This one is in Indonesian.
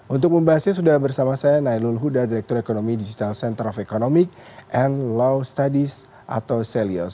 untuk membahasnya sudah bersama saya nailul huda direktur ekonomi digital center of economic and law studies atau celios